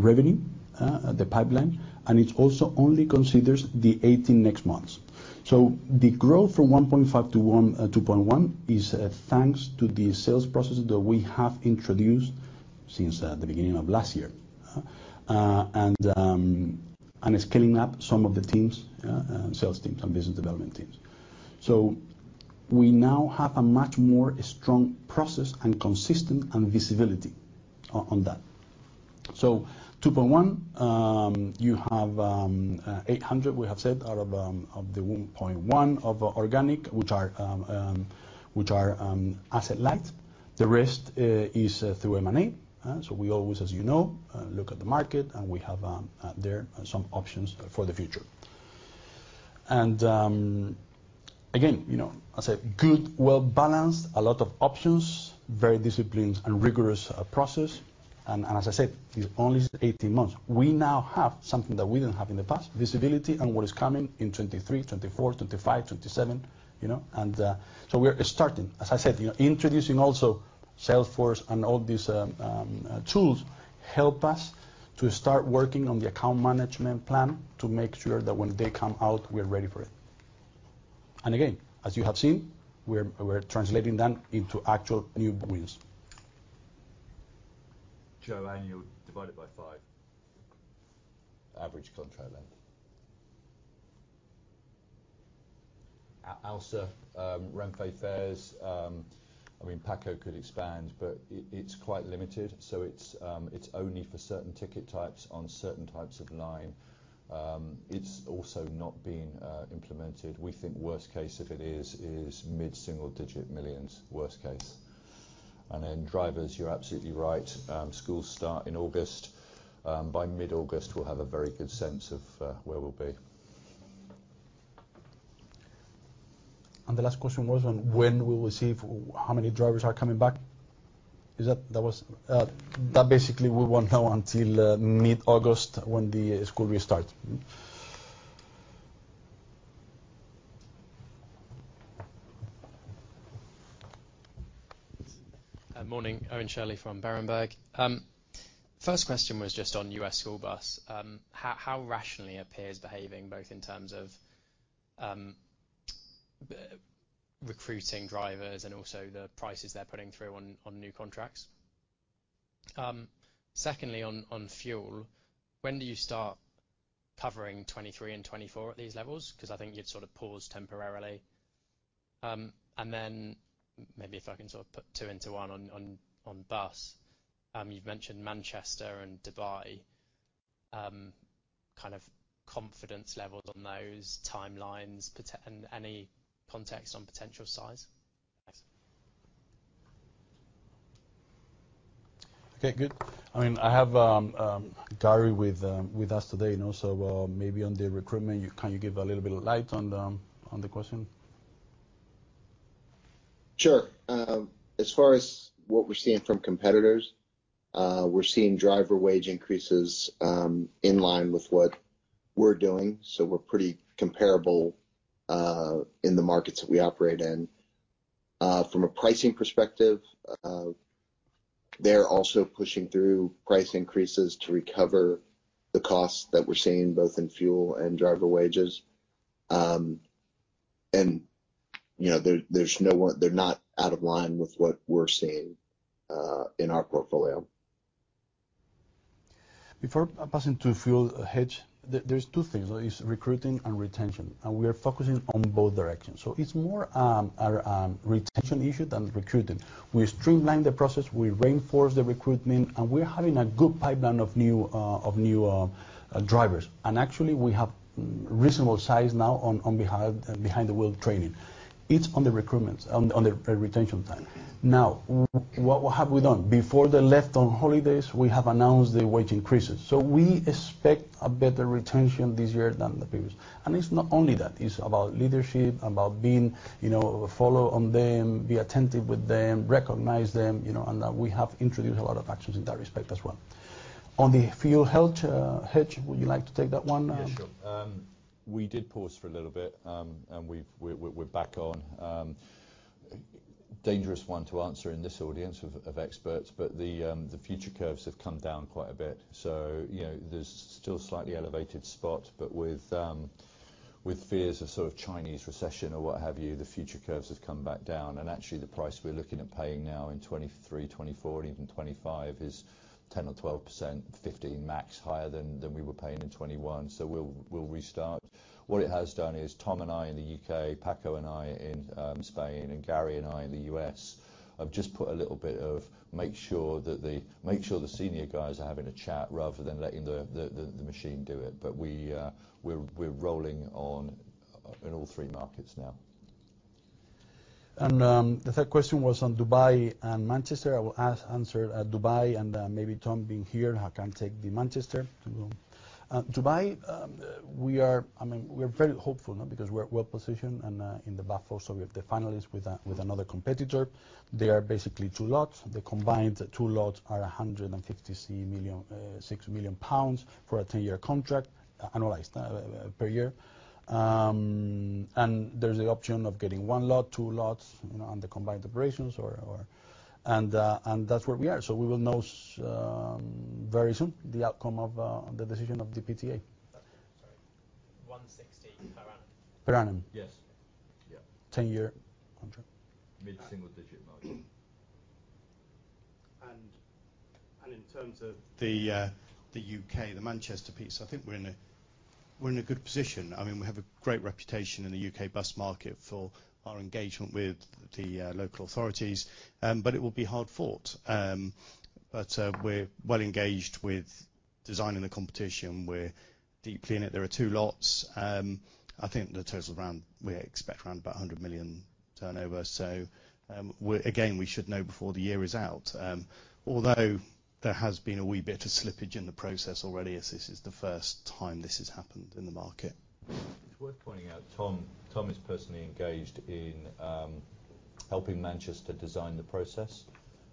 revenue, the pipeline, and it also only considers the next 18 months. The growth from 1.5-2.1 is thanks to the sales processes that we have introduced since the beginning of last year, and scaling up some of the teams, sales teams and business development teams. We now have a much more strong process and consistent visibility on that. 2.1, you have 800 we have said out of the 1.1 of organic which are asset light. The rest is through M&A. We always, as you know, look at the market and we have some options for the future. Again, you know, I say good, well-balanced, a lot of options, very disciplined and rigorous process. As I said, it's only 18 months. We now have something that we didn't have in the past, visibility on what is coming in 2023, 2024, 2025, 2027, you know. We are starting, as I said, you know, introducing also Salesforce and all these tools help us to start working on the account management plan to make sure that when they come out, we're ready for it. Again, as you have seen, we're translating that into actual new wins. Joe, annual divided by five. Average contract length. Alsa, Renfe fares, I mean, Paco could expand, but it's quite limited. It's only for certain ticket types on certain types of line. It's also not been implemented. We think worst case, if it is GBP mid-single-digit millions, worst case. Drivers, you're absolutely right. Schools start in August. By mid-August, we'll have a very good sense of where we'll be. The last question was on when will we see how many drivers are coming back? Is that? That was, that basically we won't know until mid-August when the school restart. Mm-hmm. Morning. Joel Spungin from Berenberg. First question was just on U.S. school bus. How rationally are peers behaving both in terms of recruiting drivers and also the prices they're putting through on new contracts? Secondly, on fuel, when do you start covering 2023 and 2024 at these levels? 'Cause I think you'd sort of paused temporarily. Maybe if I can sort of put two into one on bus. You've mentioned Manchester and Dubai. Kind of confidence levels on those timelines and any context on potential size? Okay, good. I mean, I have Gary with us today, you know, so maybe on the recruitment, can you give a little bit of light on the question? Sure. As far as what we're seeing from competitors, we're seeing driver wage increases in line with what we're doing, so we're pretty comparable in the markets that we operate in. From a pricing perspective, they're also pushing through price increases to recover the costs that we're seeing both in fuel and driver wages. You know, they're not out of line with what we're seeing in our portfolio. Before passing to fuel hedge, there's two things. There is recruiting and retention, and we are focusing on both directions. It's more a retention issue than recruiting. We streamlined the process, we reinforce the recruitment, and we're having a good pipeline of new drivers. Actually, we have reasonable size now on behind the wheel training. It's on the recruitment on the retention time. Now, what have we done? Before they left on holidays, we have announced the wage increases. We expect a better retention this year than the previous. It's not only that. It's about leadership, about being, you know, follow on them, be attentive with them, recognize them, you know, and we have introduced a lot of actions in that respect as well. On the fuel hedge, would you like to take that one? Yeah, sure. We did pause for a little bit, and we're back on. Dangerous one to answer in this audience of experts, but the futures curves have come down quite a bit. You know, there's still slightly elevated spots, but with fears of sort of Chinese recession or what have you, the futures curves have come back down. Actually, the price we're looking at paying now in 2023, 2024, and even 2025 is 10% or 12%, 15% max higher than we were paying in 2021. We'll restart. What it has done is Tom and I in the U.K., Paco and I in Spain, and Gary and I in the U.S. have just put a little bit to make sure the senior guys are having a chat rather than letting the machine do it. We're rolling on in all three markets now. The third question was on Dubai and Manchester. I will answer Dubai and maybe Tom being here can take the Manchester. Dubai, we are. I mean, we're very hopeful now because we're well positioned and in the buffer, so we have the finalist with another competitor. There are basically two lots. The combined two lots are 156 million pounds for a 10-year contract, annualized per year. And there's the option of getting one lot, two lots, you know, on the combined operations or. And that's where we are. We will know very soon the outcome of the decision of the PTA. Okay. Sorry, 160 per annum. Per annum? Yes. Yeah. 10-year contract. Mid-single-digit margin. In terms of the U.K., the Manchester piece, I think we're in a good position. I mean, we have a great reputation in the U.K. bus market for our engagement with the local authorities, but it will be hard fought. We're well engaged with designing the competition. We're deeply in it. There are two lots. I think the total around, we expect around about 100 million turnover. Again, we should know before the year is out. Although there has been a wee bit of slippage in the process already, as this is the first time this has happened in the market. It's worth pointing out, Tom is personally engaged in helping Manchester design the process.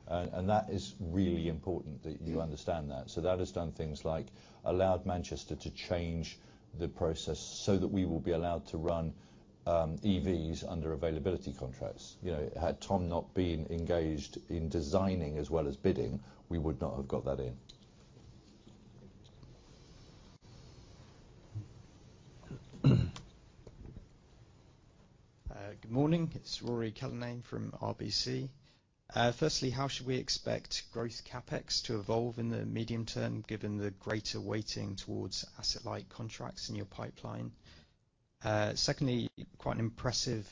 That is really important that you understand that. That has done things like allowed Manchester to change the process so that we will be allowed to run EVs under availability contracts. You know, had Tom not been engaged in designing as well as bidding, we would not have got that in. Good morning. It's Ruairi Cullinane from RBC. Firstly, how should we expect growth CapEx to evolve in the medium term given the greater weighting towards asset-light contracts in your pipeline? Secondly, quite an impressive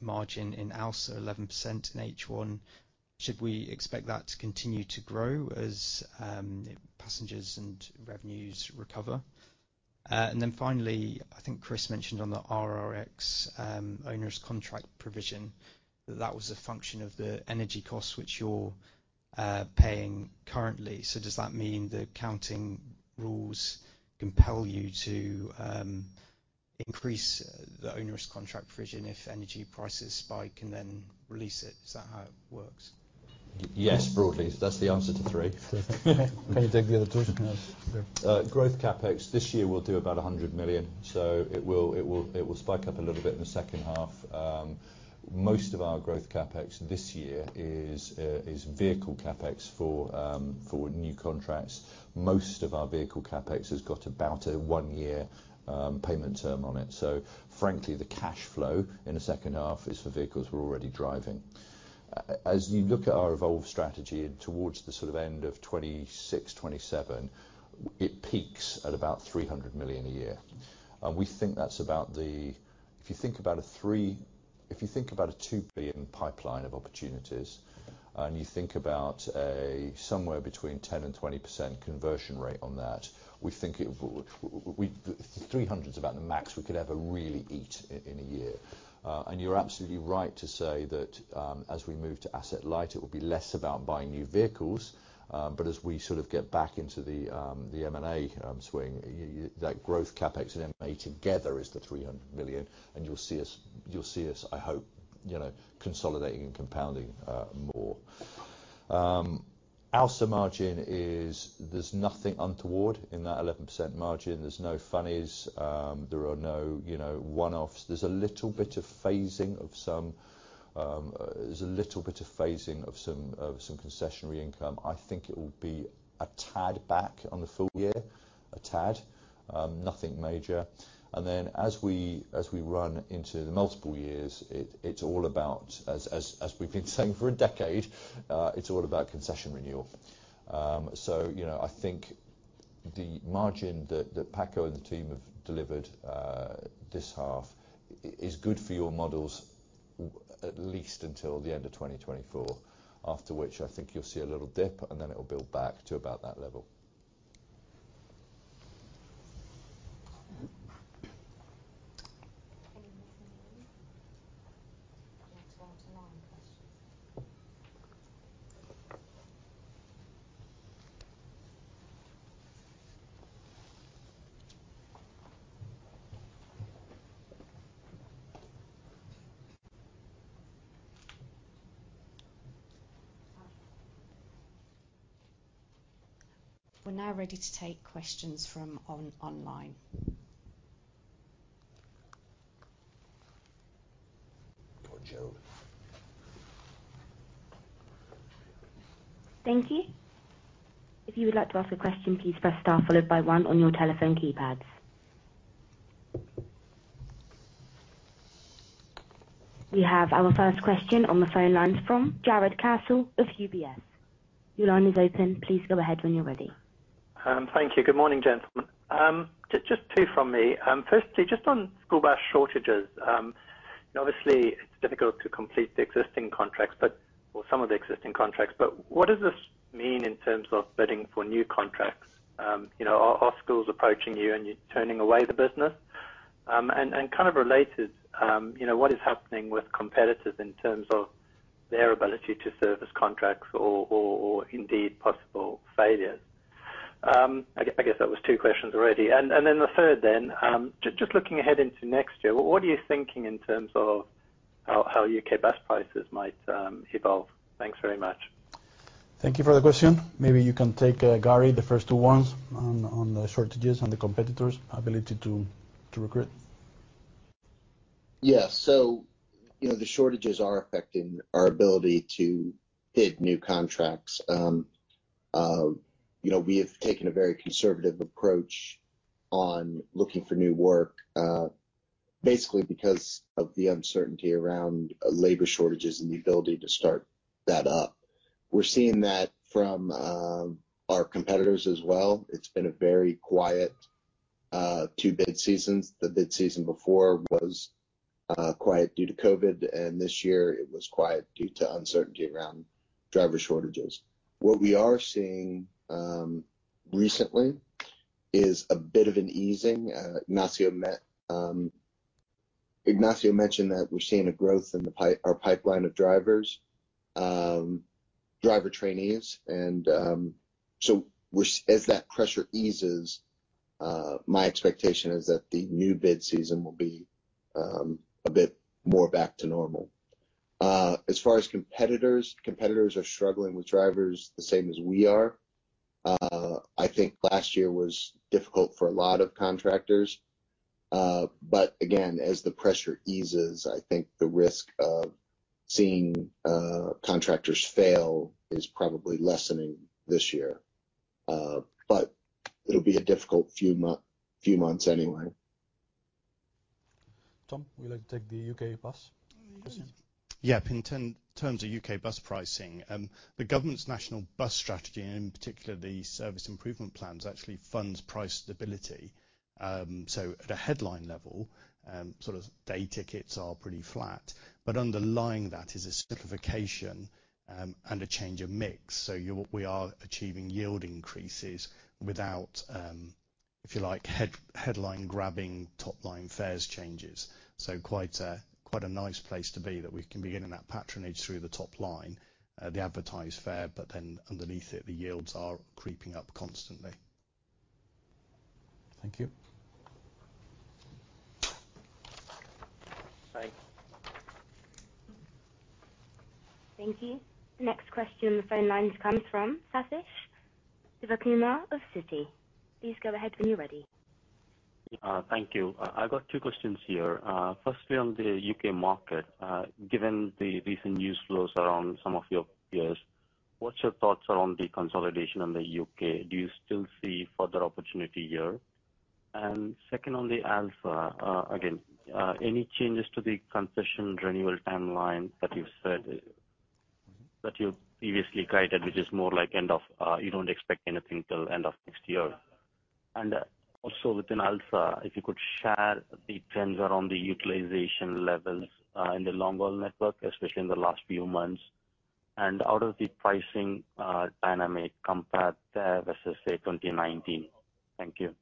margin in Alsa, 11% in H1. Should we expect that to continue to grow as passengers and revenues recover? Finally, I think Chris mentioned on the RRX onerous contract provision that that was a function of the energy costs which you're paying currently. Does that mean the accounting rules compel you to increase the onerous contract provision if energy prices spike and then release it? Is that how it works? Yes, broadly. That's the answer to three. Can you take the other two? Growth CapEx this year will do about 100 million. It will spike up a little bit in the second half. Most of our growth CapEx this year is vehicle CapEx for new contracts. Most of our vehicle CapEx has got about a one-year payment term on it. Frankly, the cash flow in the second half is for vehicles we're already driving. As you look at our Evolve strategy towards the sort of end of 2026, 2027, it peaks at about 300 million a year. We think that's about the. If you think about a 2 billion pipeline of opportunities and you think about somewhere between 10%-20% conversion rate on that. We think three hundred is about the max we could ever really eat in a year. You're absolutely right to say that, as we move to asset light, it will be less about buying new vehicles. As we sort of get back into the M&A swing, that growth CapEx and M&A together is the 300 million. You'll see us, I hope, you know, consolidating and compounding more. Alsa margin, there's nothing untoward in that 11% margin. There's no funnies. There are no, you know, one-offs. There's a little bit of phasing of some concessionary income. I think it will be a tad back on the full year. A tad, nothing major. As we run into the multiple years, it's all about as we've been saying for a decade, it's all about concession renewal. You know, I think the margin that Paco and the team have delivered, this half is good for your models at least until the end of 2024. After which I think you'll see a little dip and then it'll build back to about that level. Anything else online? Let's go on to line questions. We're now ready to take questions from online. Go on, Joe. Thank you. If you would like to ask a question, please press star followed by one on your telephone keypads. We have our first question on the phone lines from Gerald Khoo of UBS. Your line is open. Please go ahead when you're ready. Thank you. Good morning, gentlemen. Just two from me. Firstly, just on school bus shortages. Obviously it's difficult to complete the existing contracts, or some of the existing contracts. What does this mean in terms of bidding for new contracts? You know, are schools approaching you and you're turning away the business? Kind of related, you know, what is happening with competitors in terms of their ability to service contracts or indeed possible failures? I guess that was two questions already. The third, just looking ahead into next year, what are you thinking in terms of how U.K. bus prices might evolve? Thanks very much. Thank you for the question. Maybe you can take, Gary, the first two ones on the shortages and the competitors' ability to recruit. Yeah. You know, the shortages are affecting our ability to bid new contracts. You know, we have taken a very conservative approach on looking for new work, basically because of the uncertainty around labor shortages and the ability to start that up. We're seeing that from our competitors as well. It's been a very quiet two bid seasons. The bid season before was quiet due to COVID, and this year it was quiet due to uncertainty around driver shortages. What we are seeing recently is a bit of an easing. Ignacio mentioned that we're seeing a growth in our pipeline of drivers, driver trainees. As that pressure eases, my expectation is that the new bid season will be a bit more back to normal. As far as competitors are struggling with drivers the same as we are. I think last year was difficult for a lot of contractors. Again, as the pressure eases, I think the risk of seeing contractors fail is probably lessening this year. It'll be a difficult few months anyway. Tom, would you like to take the U.K. bus question? Yeah. In terms of U.K. bus pricing, the government's National Bus Strategy, and in particular the Bus Service Improvement Plans actually funds price stability. At a headline level, sort of day tickets are pretty flat, but underlying that is a simplification and a change of mix. We are achieving yield increases without, if you like, headline grabbing top-line fares changes. Quite a nice place to be that we can be getting that patronage through the top line, the advertised fare, but then underneath it, the yields are creeping up constantly. Thank you. Thanks. Thank you. Next question on the phone lines comes from Sathish Sivakumar of Citi. Please go ahead when you're ready. Thank you. I got two questions here. Firstly on the U.K. market. Given the recent news flows around some of your peers, what's your thoughts around the consolidation in the U.K.? Do you still see further opportunity here? Second, on Alsa, again, any changes to the concession renewal timeline that you've said that you previously guided, which is more like end of, you don't expect anything till end of next year. Also within Alsa, if you could share the trends around the utilization levels, in the long-haul network, especially in the last few months. How does the pricing dynamic compare to versus, say, 2019? Thank you.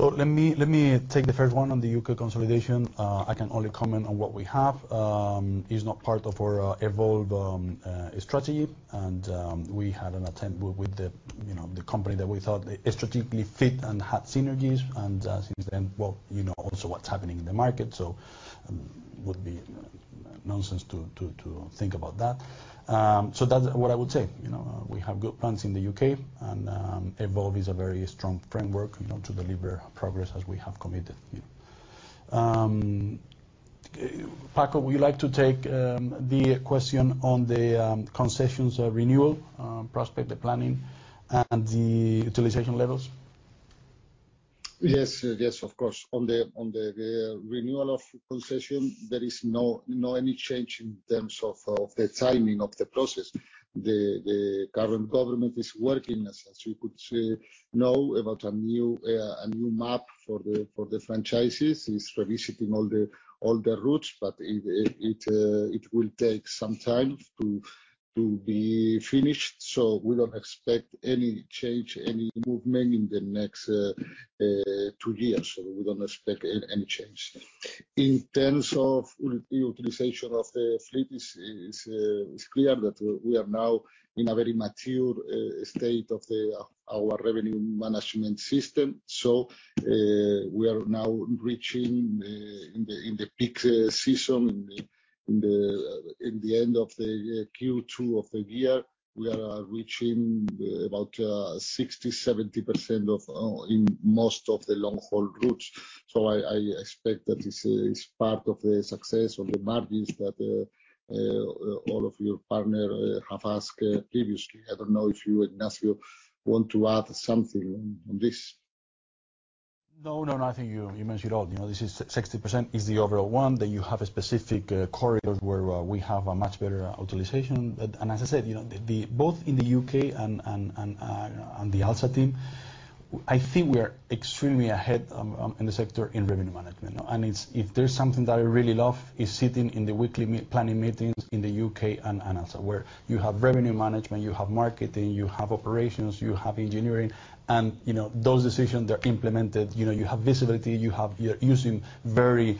Let me take the first one on the U.K. consolidation. I can only comment on what we have. It's not part of our Evolve strategy and we had an attempt with the, you know, the company that we thought strategically fit and had synergies and since then, well, you know also what's happening in the market, so would be nonsense to think about that. That's what I would say. You know, we have good plans in the U.K. and Evolve is a very strong framework, you know, to deliver progress as we have committed. Paco, would you like to take the question on the concessions renewal prospect, the planning and the utilization levels? Yes, yes, of course. On the renewal of concession, there is no any change in terms of the timing of the process. The current government is working, as you could know about a new map for the franchises. It's revisiting all the routes, but it will take some time to be finished. We don't expect any change, any movement in the next two years. We don't expect any change. In terms of utilization of the fleet is clear that we are now in a very mature state of our revenue management system. We are now reaching in the peak season, in the end of the Q2 of the year, we are reaching about 60%-70% in most of the long-haul routes. I expect that this is part of the success of the margins that all of the partners have asked previously. I don't know if you, Ignacio, want to add something on this. No, no, I think you mentioned all. You know, this is 60% is the overall one, then you have a specific corridors where we have a much better utilization. But, as I said, you know, the both in the UK and the Alsa team, I think we are extremely ahead in the sector in revenue management. It's if there's something that I really love is sitting in the weekly planning meetings in the U.K. and also where you have revenue management, you have marketing, you have operations, you have engineering, and you know those decisions they're implemented. You know, you have visibility, you have you're using very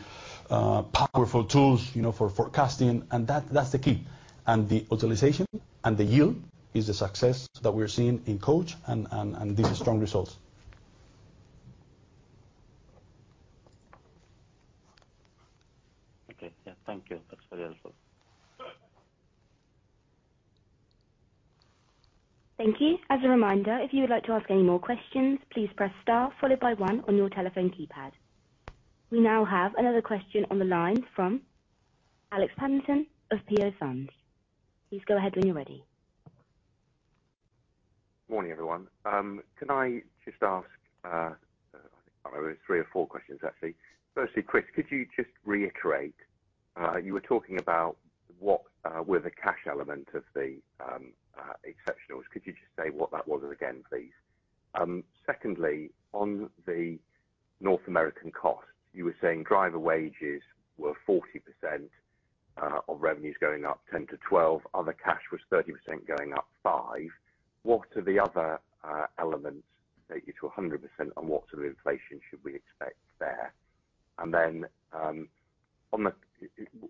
powerful tools, you know, for forecasting, and that that's the key. The utilization and the yield is the success that we're seeing in Coach and these strong results. Okay. Yeah. Thank you. That's very helpful. Thank you. As a reminder, if you would like to ask any more questions, please press star followed by one on your telephone keypad. We now have another question on the line from Alex Paterson of Peel Hunt. Please go ahead when you're ready. Morning, everyone. Can I just ask three or four questions, actually. Firstly, Chris, could you just reiterate you were talking about what were the cash element of the exceptionals. Could you just say what that was again, please? Secondly, on the North American costs, you were saying driver wages were 40% of revenues going up 10-12. Other cash was 30% going up 5. What are the other elements that take you to 100%, and what sort of inflation should we expect there?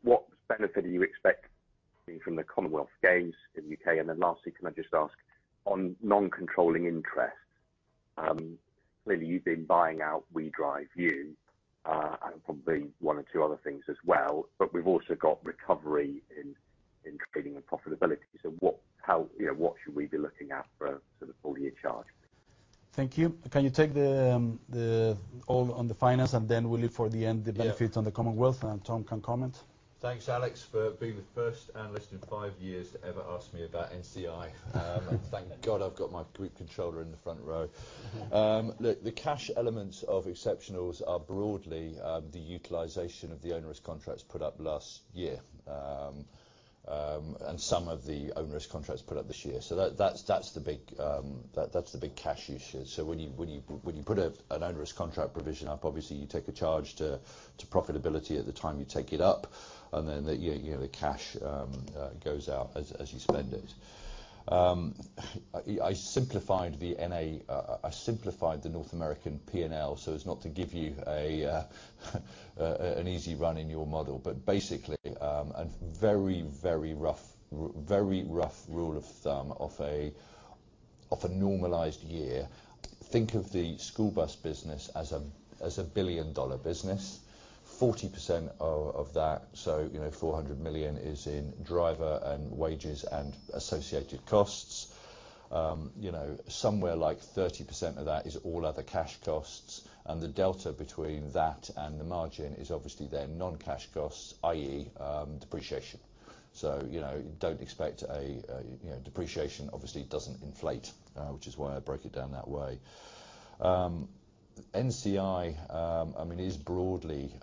What benefit do you expect from the Commonwealth Games in the U.K.? Lastly, can I just ask on non-controlling interest, clearly you've been buying out WeDriveU, and probably one or two other things as well, but we've also got recovery in trading and profitability. What, you know, should we be looking at for the full year charge? Thank you. Can you take all on the finance, and then we leave for the end the benefit on the Commonwealth Games, and Tom can comment. Thanks, Alex, for being the first analyst in five years to ever ask me about NCI. Thank God I've got my group controller in the front row. Look, the cash elements of exceptionals are broadly the utilization of the onerous contracts put up last year and some of the onerous contracts put up this year. That's the big cash issue. When you put an onerous contract provision up, obviously you take a charge to profitability at the time you take it up, and then you know the cash goes out as you spend it. I simplified the North American P&L, so as not to give you an easy run in your model. Basically, a very rough rule of thumb of a normalized year, think of the school bus business as a billion-dollar business. 40% of that, so you know, $400 million is in driver and wages and associated costs. You know, somewhere like 30% of that is all other cash costs. The delta between that and the margin is obviously their non-cash costs, i.e., depreciation. You know, depreciation obviously doesn't inflate, which is why I break it down that way. NCI, I mean, is broadly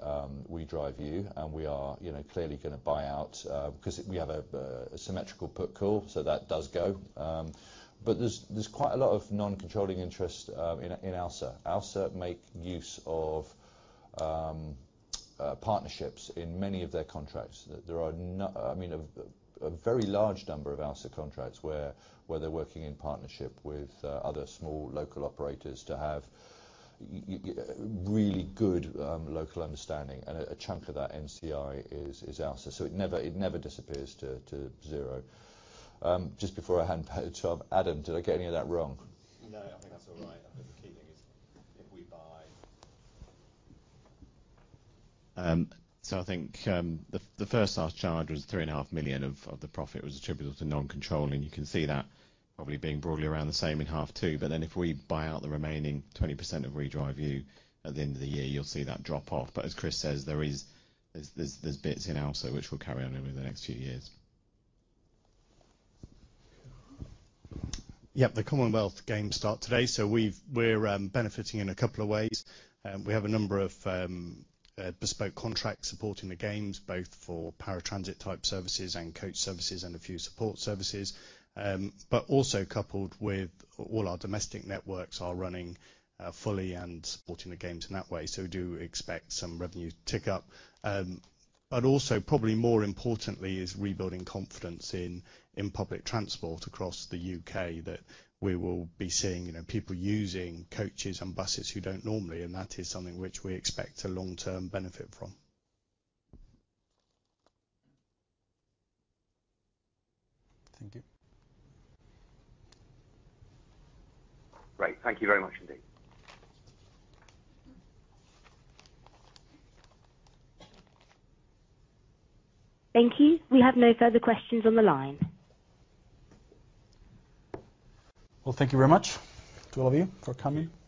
WeDriveU, and we are, you know, clearly gonna buy out, 'cause we have the symmetrical put call, so that does go. But there's quite a lot of non-controlling interest in Alsa. Alsa make use of partnerships in many of their contracts. I mean, a very large number of Alsa contracts where they're working in partnership with other small local operators to have yeah, really good local understanding. A chunk of that NCI is Alsa. It never disappears to zero. Just before I hand back to Adam. Adam, did I get any of that wrong? No, I think that's all right. I think the key thing is. I think the first half charge was 3.5 million of the profit was attributable to non-controlling. You can see that probably being broadly around the same in half two. If we buy out the remaining 20% of WeDriveU at the end of the year, you'll see that drop off. As Chris says, there are bits in Alsa which will carry on over the next few years. Yeah. The Commonwealth Games start today, so we're benefiting in a couple of ways. We have a number of bespoke contracts supporting the games, both for paratransit type services and coach services and a few support services. Also coupled with all our domestic networks are running fully and supporting the games in that way. We do expect some revenue tick-up. Also probably more importantly is rebuilding confidence in public transport across the U.K. that we will be seeing, you know, people using coaches and buses who don't normally, and that is something which we expect to long-term benefit from. Thank you. Great. Thank you very much indeed. Thank you. We have no further questions on the line. Well, thank you very much to all of you for coming. See you.